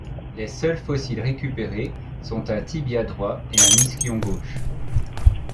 Les seuls fossiles récupérés sont un tibia droit et un ischion gauche.